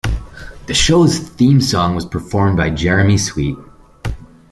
The show's theme song was performed by Jeremy Sweet.